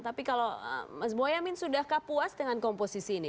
tapi kalau mas boyamin sudahkah puas dengan komposisi ini